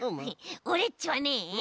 オレっちはね